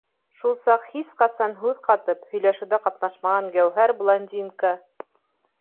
Шул саҡ һис ҡасан һүҙ ҡатып, һөйләшеүҙә ҡатнашмаған Гәүһәр блондинка: